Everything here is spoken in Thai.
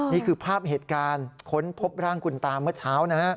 นี่คือภาพเหตุการณ์ค้นพบร่างคุณตาเมื่อเช้านะฮะ